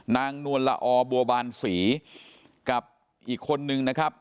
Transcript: นวลละออบัวบานศรีกับอีกคนนึงนะครับ